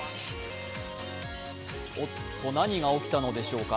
おっと、何が起きたのでしょうか？